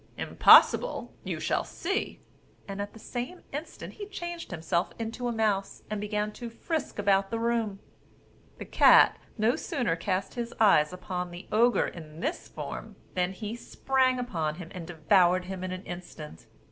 "Impossible! you shall see;" and at the same instant he changed himself into a mouse, and began to frisk about the room. The cat no sooner cast his eyes upon the Ogre in this form, than he sprang upon him and devoured him in an instant.